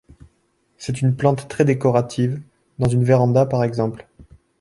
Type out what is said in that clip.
C'est une plante très décorative dans une véranda par exemple.